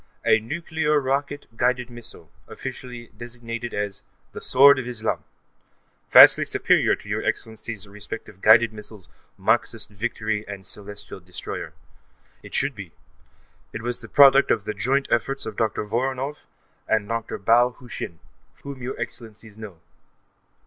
A nuclear rocket guided missile, officially designated as the Sword of Islam, vastly superior to your Excellencies' respective guided missiles Marxist Victory and Celestial Destroyer. It should be; it was the product of the joint efforts of Dr. Voronoff and Dr. Bao Hu Shin, whom your Excellencies know.